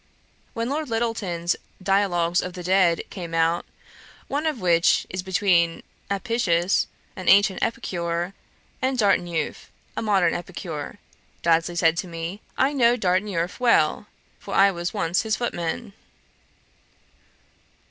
When Lord Lyttelton's Dialogues of the Dead came out, one of which is between Apicius, an ancient epicure, and Dartineuf, a modern epicure, Dodsley said to me, "I knew Dartineuf well, for I was once his footman."'